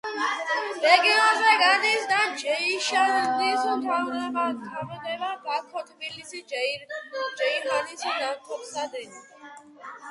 რეგიონზე გადის და ჯეიჰანში მთავრდება ბაქო-თბილისი-ჯეიჰანის ნავთობსადენი.